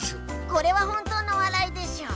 これは本当の笑いでしょう。